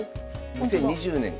２０２０年か。